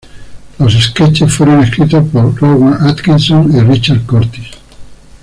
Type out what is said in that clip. Los sketches fueron escritos por Rowan Atkinson y Richard Curtis.